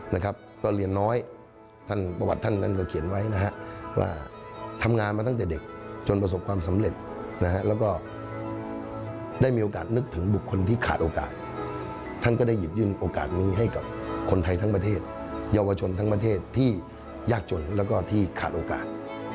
นะครับก็เรียนน้อยท่านประวัติท่านนั้นก็เขียนไว้นะฮะว่าทำงานมาตั้งแต่เด็กจนประสบความสำเร็จนะฮะแล้วก็ได้มีโอกาสนึกถึงบุคคลที่ขาดโอกาสท่านก็ได้หยิบยื่นโอกาสนี้ให้กับคนไทยทั้งประเทศเยาวชนทั้งประเทศที่ยากจนแล้วก็ที่ขาดโอกาส